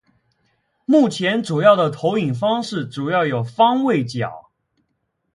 目前主要的投影方式主要有方位角。